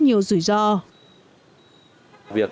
nhiều dự án